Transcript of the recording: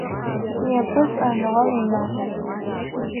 Непэ Шӏэныгъэм и Маф.